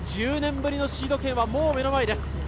１０年ぶりのシード権は目の前です。